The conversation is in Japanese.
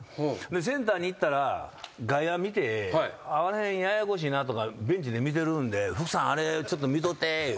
センターに行ったら外野見てあの辺ややこしいなとかベンチで見てるんで「福さんあれちょっと見とって」いうて。